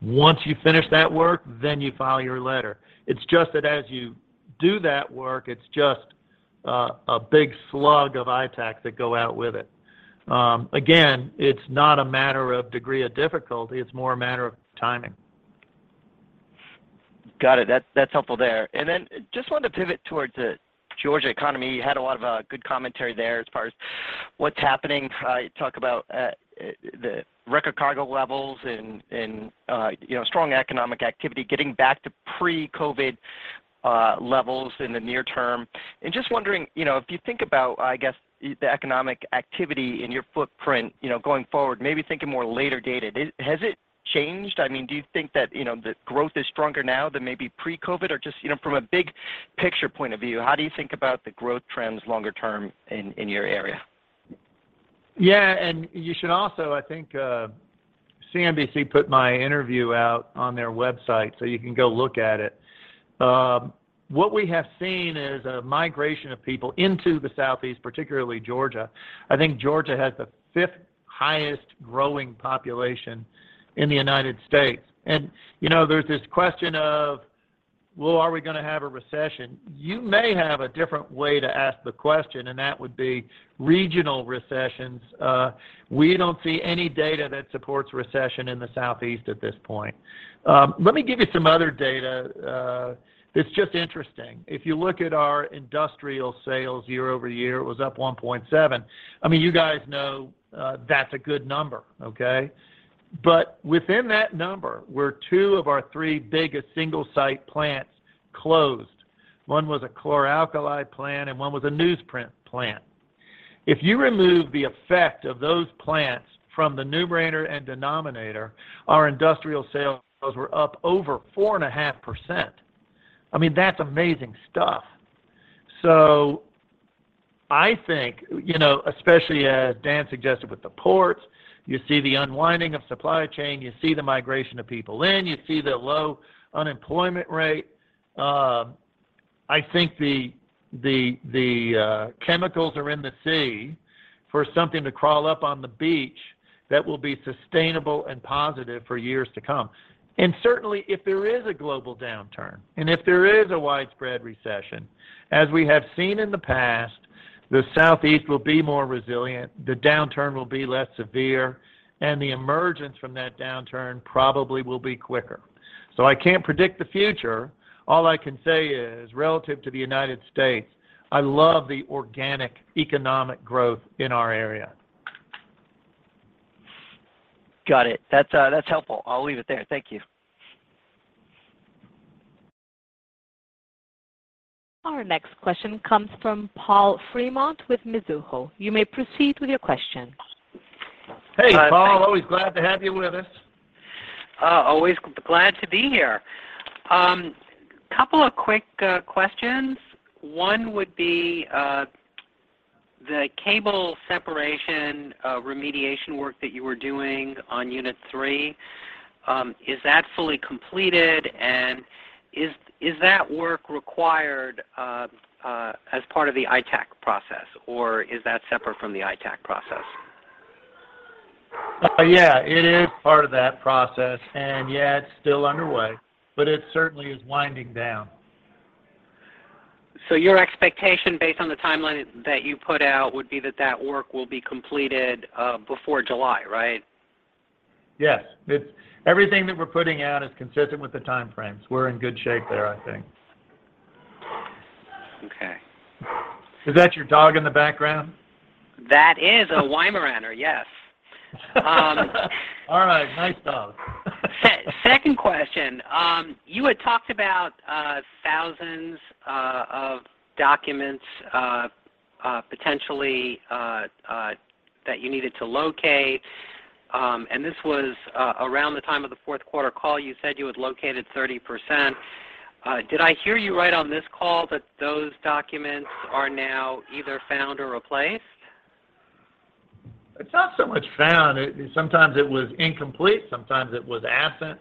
Once you finish that work, you file your letter. It's just that as you do that work, it's just a big slug of ITACs that go out with it. Again, it's not a matter of degree of difficulty, it's more a matter of timing. Got it. That's helpful there. Just wanted to pivot towards the Georgia economy. You had a lot of good commentary there as far as what's happening. You talk about the record cargo levels and you know, strong economic activity, getting back to pre-COVID levels in the near term. Just wondering, you know, if you think about, I guess, the economic activity in your footprint, you know, going forward, maybe thinking more later dated, has it changed? I mean, do you think that, you know, the growth is stronger now than maybe pre-COVID? Or just, you know, from a big picture point of view, how do you think about the growth trends longer term in your area? Yeah. You should also, I think, CNBC put my interview out on their website, so you can go look at it. What we have seen is a migration of people into the Southeast, particularly Georgia. I think Georgia has the fifth highest growing population in the United States. You know, there's this question of, well, are we gonna have a recession? You may have a different way to ask the question, and that would be regional recessions. We don't see any data that supports recession in the Southeast at this point. Let me give you some other data, that's just interesting. If you look at our industrial sales year-over-year, it was up 1.7%. I mean, you guys know, that's a good number, okay? Within that number were two of our three biggest single-site plants closed. One was a chlor-alkali plant and one was a newsprint plant. If you remove the effect of those plants from the numerator and denominator, our industrial sales were up over 4.5%. I mean, that's amazing stuff. I think, you know, especially as Dan suggested with the ports, you see the unwinding of supply chain, you see the migration of people in, you see the low unemployment rate. I think the chemicals are in the sea for something to crawl up on the beach that will be sustainable and positive for years to come. Certainly, if there is a global downturn, and if there is a widespread recession, as we have seen in the past, the Southeast will be more resilient, the downturn will be less severe, and the emergence from that downturn probably will be quicker. I can't predict the future. All I can say is relative to the United States, I love the organic economic growth in our area. Got it. That's helpful. I'll leave it there. Thank you. Our next question comes from Paul Fremont with Mizuho. You may proceed with your question. Hey, Paul. Always glad to have you with us. Always glad to be here. Couple of quick questions. One would be, the cable separation remediation work that you were doing on unit three, is that fully completed? Is that work required as part of the ITAC process, or is that separate from the ITAC process? Yeah. It is part of that process. Yeah, it's still underway, but it certainly is winding down. Your expectation based on the timeline that you put out would be that that work will be completed before July, right? Yes. It's everything that we're putting out is consistent with the time frames. We're in good shape there, I think. Okay. Is that your dog in the background? That is a Weimaraner, yes. All right. Nice dog. Second question. You had talked about thousands of documents potentially that you needed to locate. This was around the time of the fourth quarter call. You said you had located 30%. Did I hear you right on this call that those documents are now either found or replaced? It's not so much found. Sometimes it was incomplete, sometimes it was absent.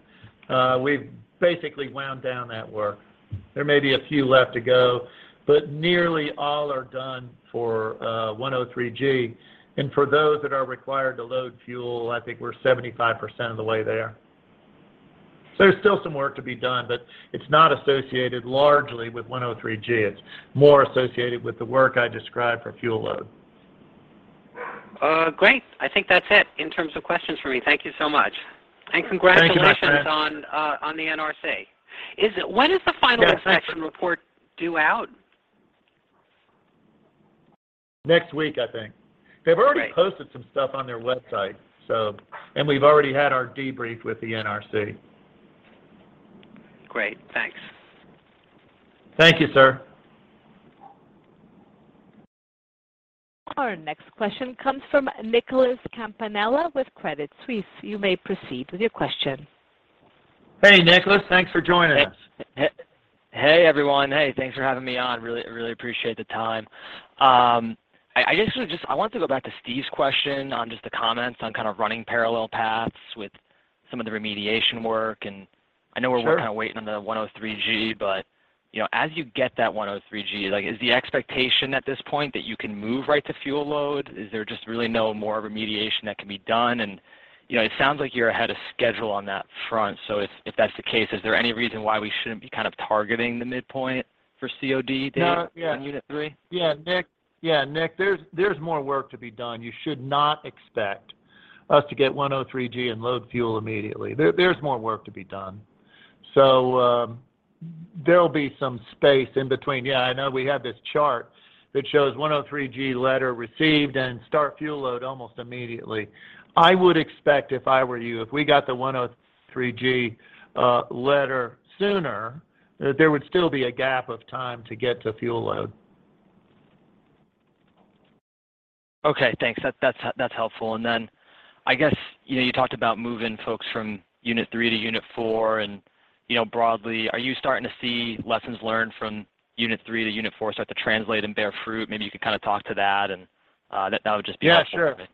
We've basically wound down that work. There may be a few left to go, but nearly all are done for 103(g). For those that are required to load fuel, I think we're 75% of the way there. There's still some work to be done, but it's not associated largely with 103(g). It's more associated with the work I described for fuel load. Great. I think that's it in terms of questions for me. Thank you so much. Thanks so much, man. Congratulations on the NRC. When is the final inspection report due out? Next week, I think. Great. They've already posted some stuff on their website. We've already had our debrief with the NRC. Great. Thanks. Thank you, sir. Our next question comes from Nicholas Campanella with Credit Suisse. You may proceed with your question. Hey, Nicholas. Thanks for joining us. Hey, everyone. Hey, thanks for having me on. Really appreciate the time. I guess I wanted to go back to Steve's question on just the comments on kind of running parallel paths with some of the remediation work, and I know we're. Sure... kinda waiting on the 103(g), but, you know, as you get that 103(g), like, is the expectation at this point that you can move right to fuel load? Is there just really no more remediation that can be done? You know, it sounds like you're ahead of schedule on that front. If that's the case, is there any reason why we shouldn't be kind of targeting the midpoint for COD date? No. Yeah. on Unit three? Yeah. Nick, there's more work to be done. You should not expect us to get 103(g) and load fuel immediately. There's more work to be done. There'll be some space in between. Yeah, I know we have this chart that shows 103(g) letter received and start fuel load almost immediately. I would expect, if I were you, if we got the 103(g) letter sooner, that there would still be a gap of time to get to fuel load. Okay. Thanks. That's helpful. I guess, you know, you talked about moving folks from unit three to unit four and, you know, broadly, are you starting to see lessons learned from unit three to unit four start to translate and bear fruit? Maybe you could kinda talk to that and that would just be helpful for me. Yeah, sure.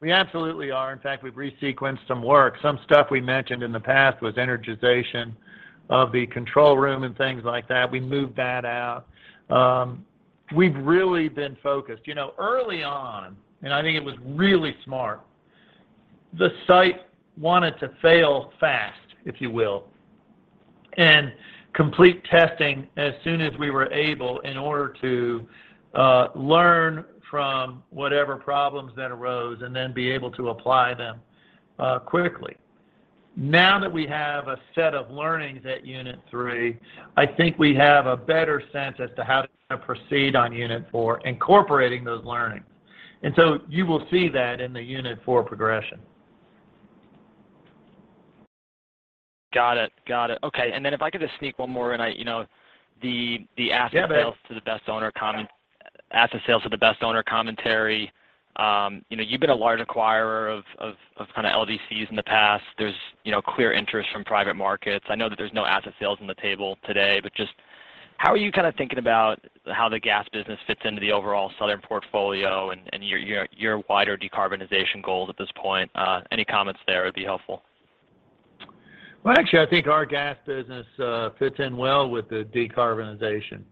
We absolutely are. In fact, we've resequenced some work. Some stuff we mentioned in the past was energization of the control room and things like that. We moved that out. We've really been focused. You know, early on, and I think it was really smart, the site wanted to fail fast, if you will, and complete testing as soon as we were able in order to learn from whatever problems that arose and then be able to apply them quickly. Now that we have a set of learnings at unit three, I think we have a better sense as to how to proceed on unit four, incorporating those learnings. You will see that in the unit four progression. Got it. Okay. If I could just sneak one more in. You know, the asset- Yeah, man. asset sales to the best owner commentary. You know, you've been a large acquirer of kind of LDCs in the past. There's, you know, clear interest from private markets. I know that there's no asset sales on the table today, but just how are you kinda thinking about how the gas business fits into the overall Southern portfolio and your wider decarbonization goals at this point? Any comments there would be helpful. Well, actually, I think our gas business fits in well with the decarbonization.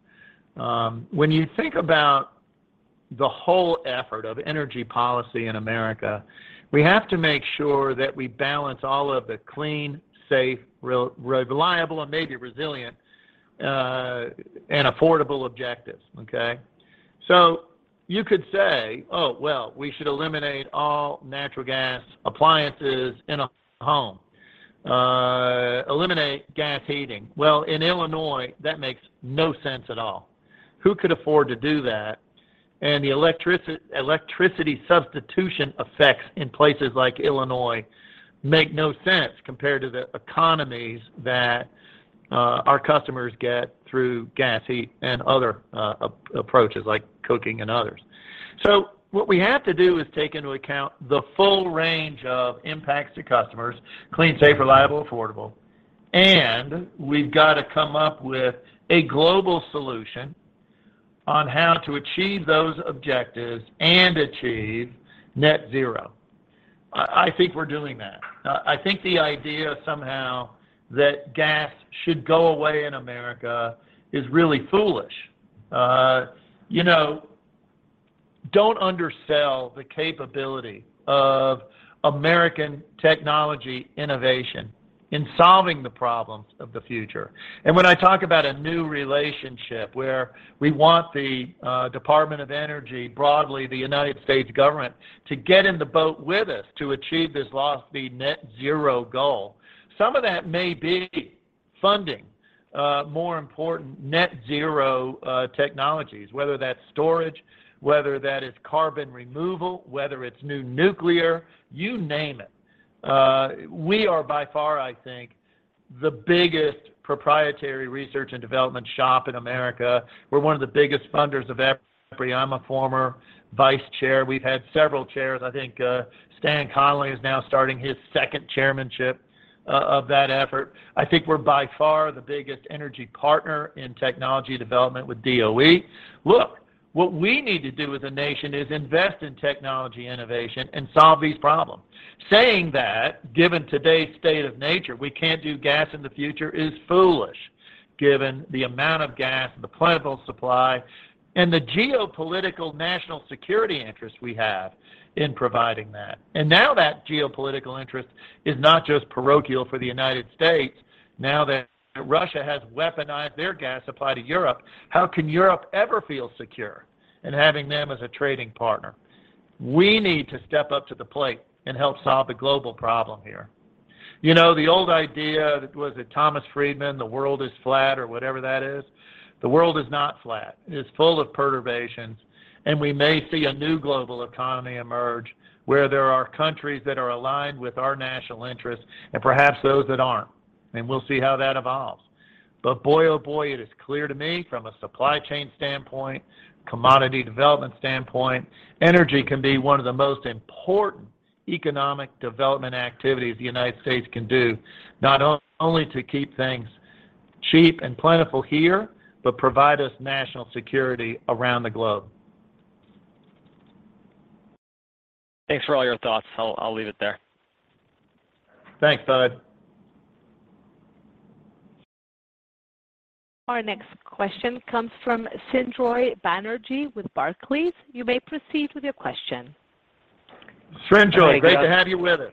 When you think about the whole effort of energy policy in America, we have to make sure that we balance all of the clean, safe, reliable, and maybe resilient, and affordable objectives. Okay? You could say, "Oh, well, we should eliminate all natural gas appliances in a home. Eliminate gas heating." Well, in Illinois, that makes no sense at all. Who could afford to do that? The electricity substitution effects in places like Illinois make no sense compared to the economies that our customers get through gas heat and other approaches like cooking and others. What we have to do is take into account the full range of impacts to customers, clean, safe, reliable, affordable. We've got to come up with a global solution on how to achieve those objectives and achieve net zero. I think we're doing that. I think the idea somehow that gas should go away in America is really foolish. You know, don't undersell the capability of American technology innovation in solving the problems of the future. When I talk about a new relationship where we want the Department of Energy, broadly the United States government, to get in the boat with us to achieve this lofty net zero goal, some of that may be funding more important net zero technologies. Whether that's storage, whether that is carbon removal, whether it's new nuclear, you name it. We are by far, I think, the biggest proprietary research and development shop in America. We're one of the biggest funders of EPRI. I'm a former vice chair. We've had several chairs. I think, Stan Connally is now starting his second chairmanship of that effort. I think we're by far the biggest energy partner in technology development with DOE. Look, what we need to do as a nation is invest in technology innovation and solve these problems. Saying that, given today's state of nature, we can't do gas in the future is foolish, given the amount of gas, the plentiful supply, and the geopolitical national security interests we have in providing that. Now that geopolitical interest is not just parochial for the United States now that Russia has weaponized their gas supply to Europe. How can Europe ever feel secure in having them as a trading partner? We need to step up to the plate and help solve the global problem here. You know, the old idea, was it Thomas L. Friedman, the world is flat or whatever that is? The world is not flat. It's full of perturbations, and we may see a new global economy emerge where there are countries that are aligned with our national interests and perhaps those that aren't. I mean, we'll see how that evolves. Boy, oh boy, it is clear to me from a supply chain standpoint, commodity development standpoint, energy can be one of the most important economic development activities the United States can do, not only to keep things cheap and plentiful here, but provide us national security around the globe. Thanks for all your thoughts. I'll leave it there. Thanks, Bud. Our next question comes from Srinjoy Banerjee with Barclays. You may proceed with your question. Srinjoy, great to have you with us.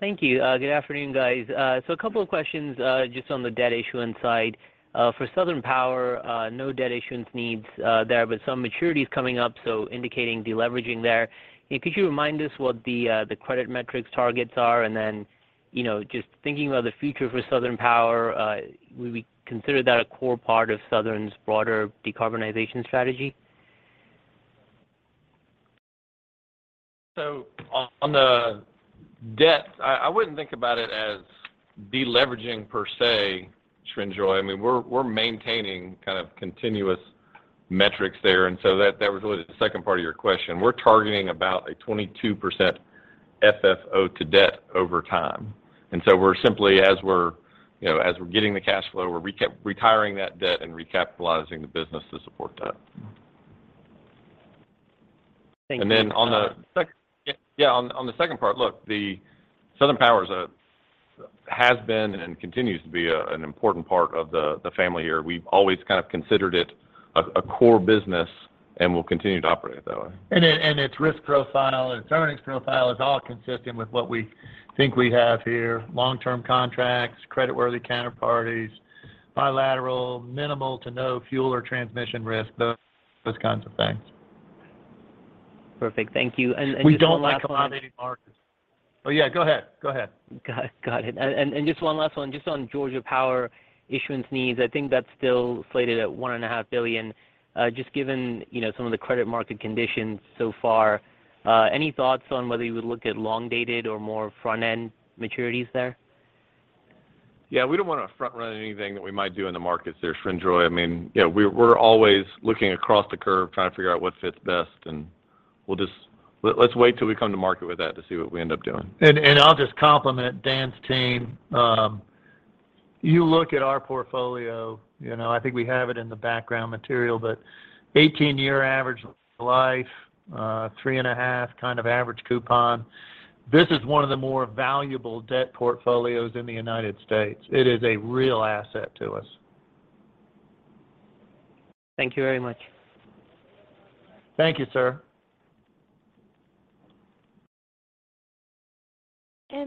Thank you. Good afternoon, guys. A couple of questions, just on the debt issuance side. For Southern Power, no debt issuance needs there, but some maturities coming up, so indicating deleveraging there. Could you remind us what the credit metrics targets are? Then, you know, just thinking about the future for Southern Power, would we consider that a core part of Southern's broader decarbonization strategy? On the debt, I wouldn't think about it as deleveraging per se, Srinjoy. I mean, we're maintaining kind of continuous metrics there. That was really the second part of your question. We're targeting about a 22% FFO to debt over time. We're simply, as we're, you know, getting the cash flow, we're retiring that debt and recapitalizing the business to support that. Thank you. On the second part, look, Southern Power has been and continues to be an important part of the family here. We've always kind of considered it a core business, and we'll continue to operate it that way. It and its risk profile and its earnings profile is all consistent with what we think we have here, long-term contracts, credit-worthy counterparties, bilateral, minimal to no fuel or transmission risk, those kinds of things. Perfect. Thank you. Just one last one. Oh, yeah, go ahead. Go ahead. Got it. Just one last one, just on Georgia Power issuance needs. I think that's still slated at $1.5 billion. Just given, you know, some of the credit market conditions so far, any thoughts on whether you would look at long-dated or more front-end maturities there? Yeah, we don't wanna front-run anything that we might do in the markets there, Srinjoy. I mean, you know, we're always looking across the curve trying to figure out what fits best, and let's wait till we come to market with that to see what we end up doing. I'll just compliment Dan's team. You look at our portfolio, you know, I think we have it in the background material, but 18-year average life, three and a half kind of average coupon. This is one of the more valuable debt portfolios in the United States. It is a real asset to us. Thank you very much. Thank you, sir.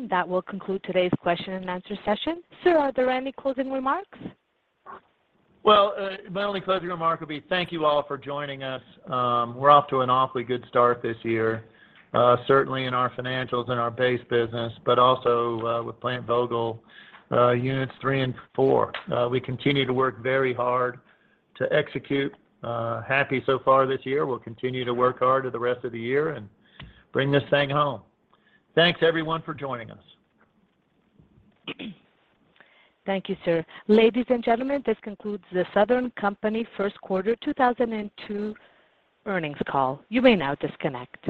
That will conclude today's question and answer session. Sir, are there any closing remarks? Well, my only closing remark would be thank you all for joining us. We're off to an awfully good start this year, certainly in our financials and our base business, but also, with Plant Vogtle, units three and four. We continue to work very hard to execute. Happy so far this year. We'll continue to work hard through the rest of the year and bring this thing home. Thanks everyone for joining us. Thank you, sir. Ladies and gentlemen, this concludes the Southern Company first quarter 2022 earnings call. You may now disconnect.